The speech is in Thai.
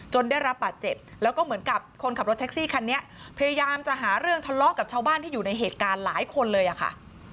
ได้รับบาดเจ็บแล้วก็เหมือนกับคนขับรถแท็กซี่คันนี้พยายามจะหาเรื่องทะเลาะกับชาวบ้านที่อยู่ในเหตุการณ์หลายคนเลยอะค่ะ